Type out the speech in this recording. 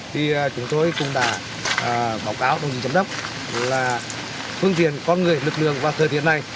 thì chúng tôi cũng đã báo cáo đồng chí chấm đốc là phương tiện con người lực lượng vào thời tiết này